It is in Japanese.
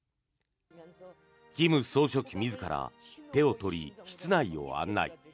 金総書記自ら手を取り室内を案内。